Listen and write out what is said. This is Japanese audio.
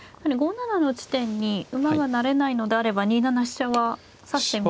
５七の地点に馬が成れないのであれば２七飛車は指してみたい。